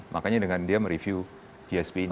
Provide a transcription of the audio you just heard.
makanya dengan dia mereview gsp ini